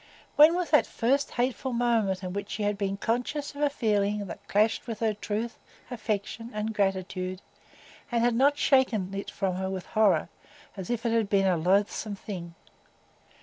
When was that first hateful moment in which she had been conscious of a feeling that clashed with her truth, affection, and gratitude, and had not shaken it from her with horror, as if it had been a loathsome thing?